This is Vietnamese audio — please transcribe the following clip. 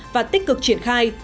và tích cực triển khai